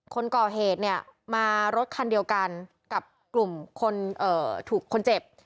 คนก่อเหตุเนี่ยมารถคันเดียวกันกับกลุ่มคนถูกคนเจ็บ